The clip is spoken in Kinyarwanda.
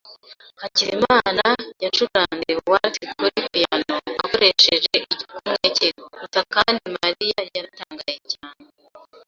Hakizimana yacuranze waltz kuri piyano akoresheje igikumwe cye gusa kandi Mariya yaratangaye cyane.